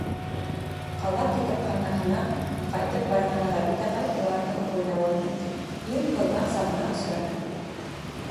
Ҡала китапханаһынан ҡайтып барған Ғәбит ағай уларҙың уйнауының иң ҡыҙған сағына осраны.